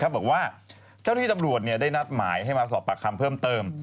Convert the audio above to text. บอกว่าเจ้าที่ตำรวจได้นัดหมายให้มาสอบปากคำเพิ่มเติม